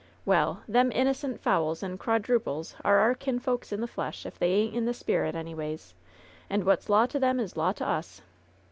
"Well, them innicent fowls and quadruples are our kinf oiks in the flesh, if they ain't in the spirit anyways, and what's law to them is law to us."